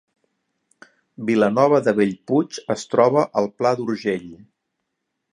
Vilanova de Bellpuig es troba al Pla d’Urgell